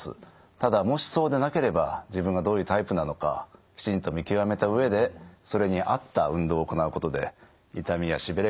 ただもしそうでなければ自分がどういうタイプなのかきちんと見極めた上でそれに合った運動を行うことで痛みやしびれが改善する場合もあります。